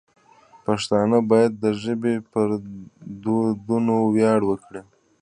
پښتانه باید د ژبې پر دودونو ویاړ وکړي.